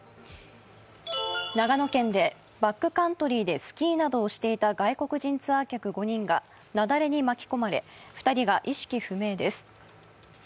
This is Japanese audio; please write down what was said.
長野県でバックカントリーでスキーなどをしていた外国人ツアー客５人が雪崩に巻き込まれ２人が意識不明です。